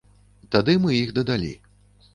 Тады мы іх дадалі.